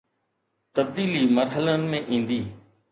تبديلي مرحلن ۾ ايندي